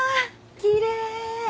きれい！